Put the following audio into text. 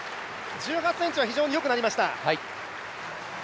１８ｃｍは非常によくなりました。